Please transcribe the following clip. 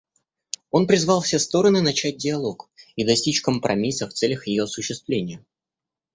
Он призвал все стороны начать диалог и достичь компромисса в целях ее осуществления.